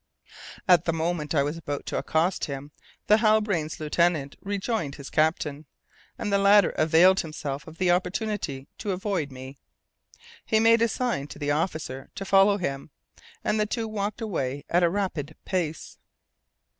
At the moment when I was about to accost him, the Halbrane's lieutenant rejoined his captain, and the latter availed himself of the opportunity to avoid me. He made a sign to the officer to follow him, and the two walked away at a rapid pace.